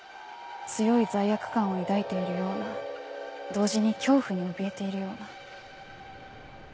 強い罪悪感を抱いているような同時に恐怖におびえているような。